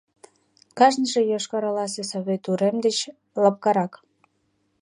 Кажныже Йошкар-Оласе Совет урем деч лопкарак.